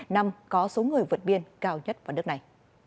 năm có số người vượt biên cao nhất vào nước này